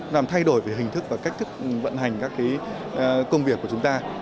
làm thay đổi về hình thức và cách thức vận hành